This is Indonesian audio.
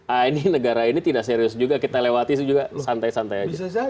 ah ini negara ini tidak serius juga kita lewati itu juga santai santai aja